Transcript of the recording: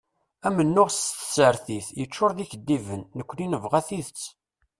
Amennuɣ s tsertit yeččur d ikeddiben, nekkni nebɣa tidet.